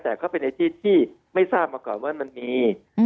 แต่ก็เป็นในที่ที่ไม่ทราบมาก่อนว่ามันมี